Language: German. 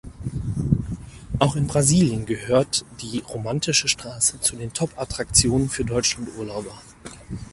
Auch in Brasilien gehört die Romantische Straße zu den Top-Attraktionen für Deutschland-Urlauber.